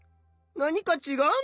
何かちがうの？